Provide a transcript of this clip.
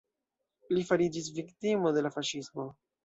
Li fariĝis viktimo de la faŝismo.